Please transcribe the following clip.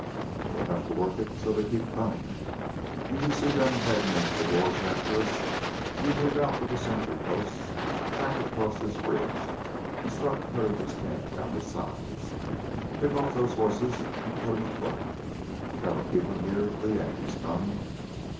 "We'll have to work it so they'll keep comin'. When you see them headin' into the gorge after us, you move out of the sentry posts back across this ridge and start cuttin' this camp down to size pick off those horses and put 'em afoot. That'll keep them here till the Yankees come."